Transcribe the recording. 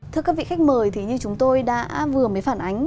thưa các vị khách mời thì như chúng tôi đã vừa mới phản ánh